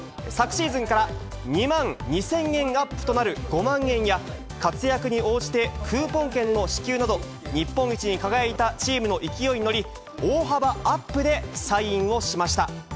昨シーズンから２万２０００円アップとなる５万円や、活躍に応じてクーポン券の支給など、日本一に輝いたチームの勢いに乗り、大幅アップでサインをしました。